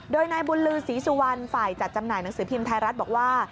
โดยนายบุญลือศรีสุวรรณฝ่ายจัดจำหน่ายหนังสือพิมพ์ไทยรัฐบอกว่า